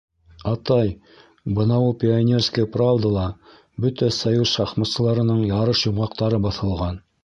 — Атай, бынауы «Пионерская правда»ла Бөтә Союз шахматсыларының ярыш йомғаҡтары баҫылған.